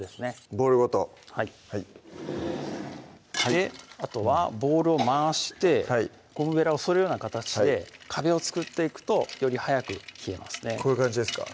ボウルごとはいあとはボウルを回してゴムべらを添えるような形で壁を作っていくとより早く冷えますねこういう感じですか？